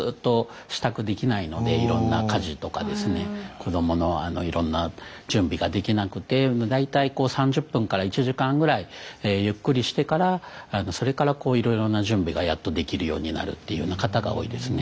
子どものいろんな準備ができなくて大体こう３０分から１時間ぐらいゆっくりしてからそれからいろいろな準備がやっとできるようになるっていうような方が多いですね。